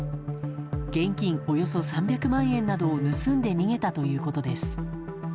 現金およそ３００万円などを盗んで逃げたということです。